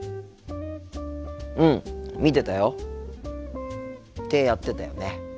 うん見てたよ。ってやってたよね。